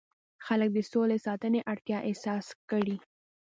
خلک د سولې ساتنې اړتیا احساس کړي.